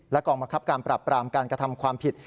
กองบังคับการปรับปรามการกระทำความผิด